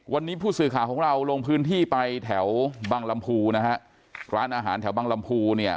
วันนี้ผู้สื่อข่าวของเราลงพื้นที่ไปแถวบังลำพูนะฮะร้านอาหารแถวบางลำพูเนี่ย